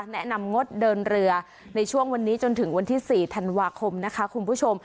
แนะนำงดเดินเรือในช่วงวันนี้จนถึงวันที่๔ธันวาคมนะคะคุณผู้ชม